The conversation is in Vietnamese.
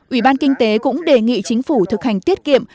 ủy ban kinh tế cũng đề nghị chính phủ thực hành tiết kiệm